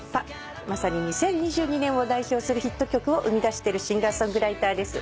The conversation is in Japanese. まさに２０２２年を代表するヒット曲を生み出しているシンガー・ソングライターです。